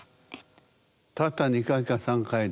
たった２回か３回で？